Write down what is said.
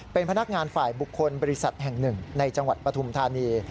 เป็นพนักงานฝ่ายบุคคลบริษัทแห่งหนึ่งในจังหวัดปฐุมธานี